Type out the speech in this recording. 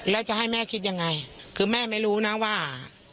แล้วจะให้แม่คิดยังไงคือแม่ไม่รู้นะว่า